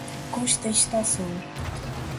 contestação